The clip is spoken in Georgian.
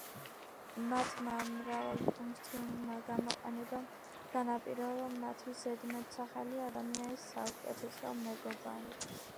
მათმა მრავალფუნქციურმა გამოყენებამ განაპირობა მათი ზედმეტსახელი: „ადამიანის საუკეთესო მეგობარი“.